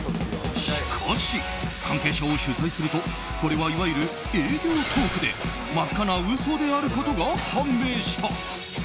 しかし、関係者を取材するとこれはいわゆる営業トークで真っ赤な嘘であることが判明した。